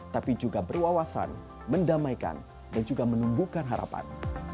tapi juga berwawasan mendamaikan dan juga menumbuhkan harapan